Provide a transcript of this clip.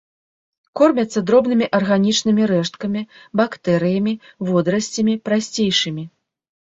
Кормяцца дробнымі арганічнымі рэшткамі, бактэрыямі, водарасцямі, прасцейшымі.